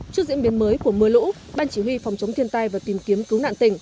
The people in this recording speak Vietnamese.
trước diễn biến mới của mưa lũ ban chỉ huy phòng chống thiên tai và tìm kiếm cứu nạn tỉnh